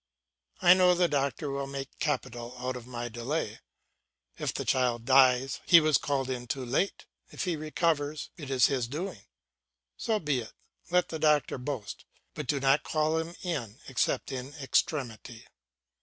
I know the doctor will make capital out of my delay. If the child dies, he was called in too late; if he recovers, it is his doing. So be it; let the doctor boast, but do not call him in except in extremity.